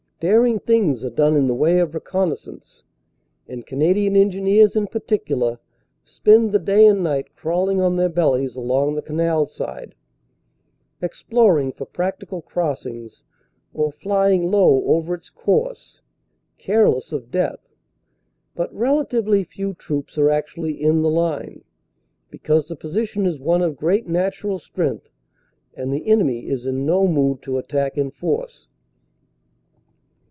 Daring things are done in the way of reconnaissance, and Canadian Engineers in particular spend the day and night crawling on their bellies along the canal side, exploring for practical crossings, or flying low over its course, careless of death. But relatively few troops are actually in the line, because the position is one of great natural strength, and the enemy is in no mood to attack in force.